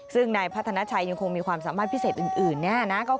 ซึ่งนายพัฒนาชัยยังคงมีความสามารถพิเศษอื่นแน่นะ